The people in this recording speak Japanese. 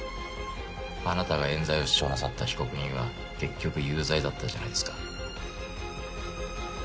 あなたが冤罪を主張なさった被告人は結局有罪だったじゃないですか。